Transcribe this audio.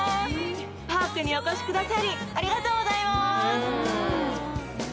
パークにお越しくださりありがとうございます。